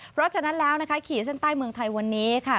เพราะฉะนั้นแล้วนะคะขีดเส้นใต้เมืองไทยวันนี้ค่ะ